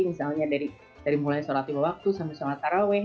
misalnya dari mulai sholat tiba waktu sampai sholat taraweh